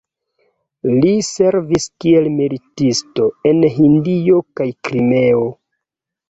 Li servis kiel militisto en Hindio kaj Krimeo.